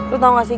lo tau nggak sih